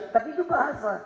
tapi itu bahasa